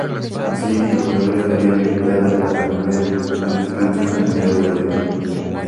Así el jugador estaría habilitado para volver a las canchas a mediados de abril.